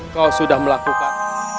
kau sudah melakukan